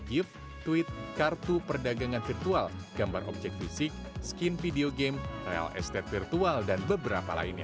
gift tweet kartu perdagangan virtual gambar objek fisik skin video game real estate virtual dan beberapa lainnya